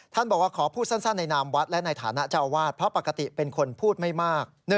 บอกว่าขอพูดสั้นในนามวัดและในฐานะเจ้าอาวาสเพราะปกติเป็นคนพูดไม่มาก